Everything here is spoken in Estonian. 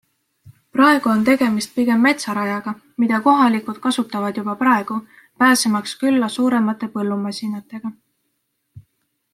Praegu on tegemist pigem metsarajaga, mida kohalikud kasutavad juba praegu, pääsemaks külla suuremate põllumasinatega.